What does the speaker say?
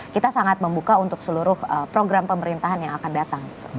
kita sangat membuka untuk seluruh program pemerintahan yang akan datang